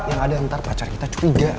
yang ada ntar pacar kita cuiga